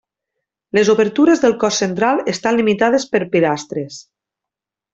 Les obertures del cos central estan limitades per pilastres.